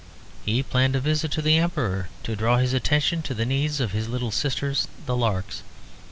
He planned a visit to the Emperor to draw his attention to the needs of "his little sisters the larks."